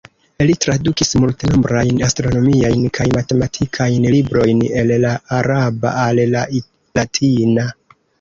Li tradukis multenombrajn astronomiajn kaj matematikajn librojn el la araba al la latina.